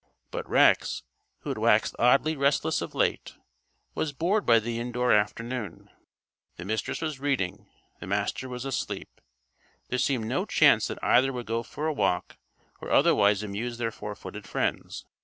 But Rex, who had waxed oddly restless of late, was bored by the indoor afternoon. The Mistress was reading; the Master was asleep. There seemed no chance that either would go for a walk or otherwise amuse their four footed friends.